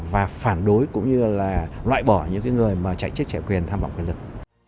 và phản đối cũng như là loại bỏ những người mà chạy chiếc trẻ quyền tham vọng quyền lực